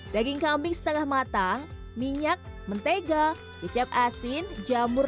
daging kambing setengah matang minyak mentega kecap asin jamur